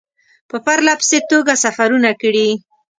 په پرله پسې توګه سفرونه کړي.